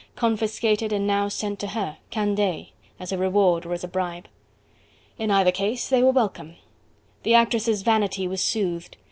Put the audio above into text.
confiscated and now sent to her Candeille as a reward or as a bribe! In either case they were welcome. The actress' vanity was soothed.